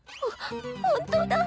ほほんとだ。